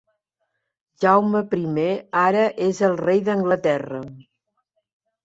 Jaume I ara és el rei d'Anglaterra.